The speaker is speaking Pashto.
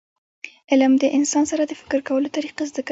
علم د انسان سره د فکر کولو طریقه زده کوي.